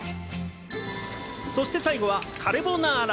そして最後はカルボナーラ。